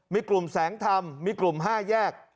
มีกลุ่มแสงธรรมมีกลุ่ม๕แยก